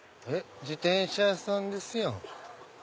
自転車屋さんですやん。